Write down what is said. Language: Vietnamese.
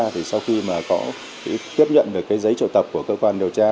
thì sau khi mà có tiếp nhận được cái giấy triệu tập của cơ quan điều tra